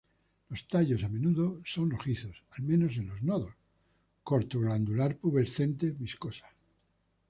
Los tallos a menudo son rojizos, al menos en los nodos, corto glandular-pubescentes, viscosa.